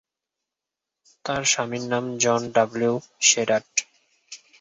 তার স্বামীর নাম জন ডাব্লিউ সেডাট।